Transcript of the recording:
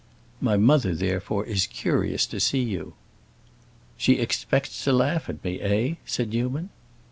My mother, therefore, is curious to see you." "She expects to laugh at me, eh?" said Newman.